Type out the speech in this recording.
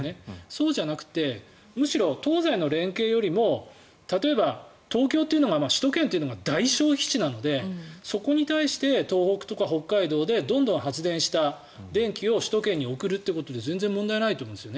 そうじゃなくてむしろ東西の連携よりも例えば東京というのが首都圏というのが大消費地なのでそこに対して東北とか北海道でどんどん発電した電気を首都圏に送るということで全然問題ないと思うんです。